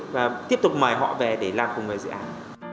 và tiếp tục mời họ về để làm cùng với dự án